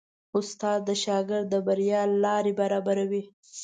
استاد د شاګرد د بریا لاره برابروي.